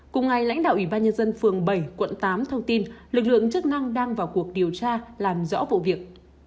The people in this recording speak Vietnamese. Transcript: cùng ngày lãnh đạo ủy ban nhân dân phường bảy quận tám thông tin lực lượng chức năng đang vào cuộc điều tra làm rõ vụ việc